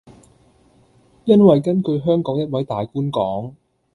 因為根據香港一位大官講